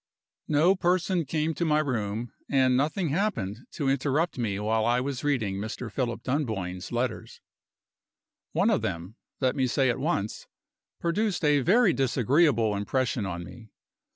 No person came to my room, and nothing happened to interrupt me while I was reading Mr. Philip Dunboyne's letters. One of them, let me say at once, produced a very disagreeable impression on me.